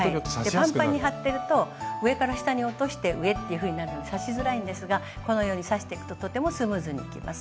パンパンに張ってると上から下に落として上っていうふうになるので刺しづらいんですがこのように刺していくととてもスムーズにいきます。